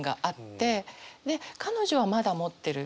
で彼女はまだ持ってる。